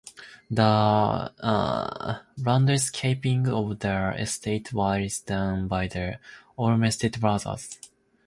The landscaping of the estate was done by the Olmsted Brothers.